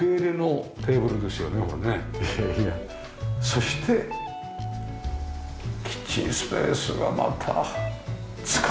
そしてキッチンスペースがまた使いやすそう。